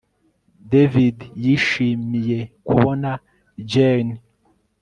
David yishimiye kubona Jane